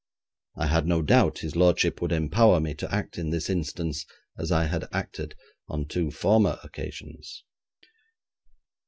I had no doubt his lordship would empower me to act in this instance as I had acted on two former occasions.